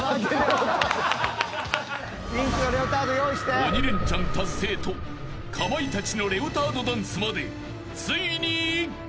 ［鬼レンチャン達成とかまいたちのレオタードダンスまでついに１曲］